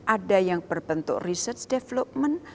ada yang berbentuk research development